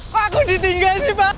kok aku ditinggal sih pak